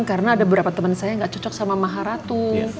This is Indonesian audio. karena ada beberapa temen saya yang gak cocok sama maharatu